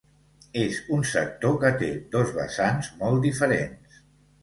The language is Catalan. És un sector que té dos vessants molt diferents.